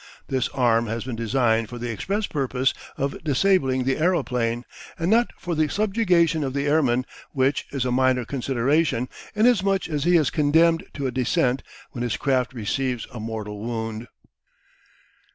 This arm has been designed for the express purpose of disabling the aeroplane, and not for the subjugation of the airman, which is a minor consideration, inasmuch as he is condemned to a descent when his craft receives a mortal wound.